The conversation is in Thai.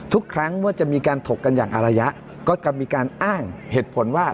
ทุกครั้งเมื่อจะมีการถกกันอย่างอารยะก็จะมีการอ้างเหตุผลว่า